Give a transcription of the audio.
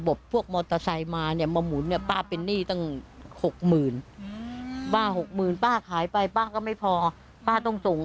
บางทีก็ไม่มีส่งอย่างวันนี้ไม่มีแล้วขายได้๓๐๐อย่างงี้ก็นั่งอยู่อย่างงี้